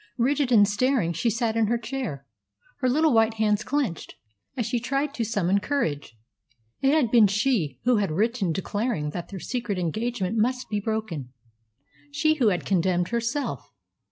Rigid and staring, she sat in her chair, her little white hands clenched, as she tried to summon courage. It had been she who had written declaring that their secret engagement must be broken, she who had condemned herself.